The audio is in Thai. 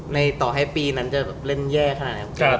ในต่อให้ปีนั้นจะเล่นแย่ขนาดนี้